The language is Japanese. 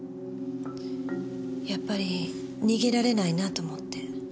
やっぱり逃げられないなと思って。